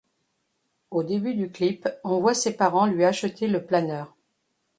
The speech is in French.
Au début du clip on voit ses parents lui acheter le planeur.